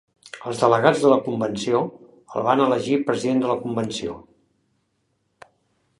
Els delegats de la convenció el van elegir president de la convenció.